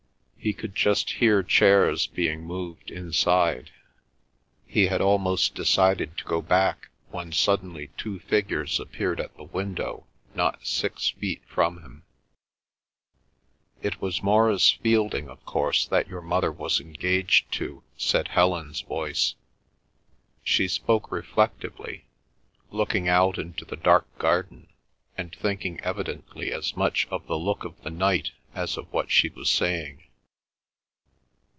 He could just hear chairs being moved inside. He had almost decided to go back, when suddenly two figures appeared at the window, not six feet from him. "It was Maurice Fielding, of course, that your mother was engaged to," said Helen's voice. She spoke reflectively, looking out into the dark garden, and thinking evidently as much of the look of the night as of what she was saying.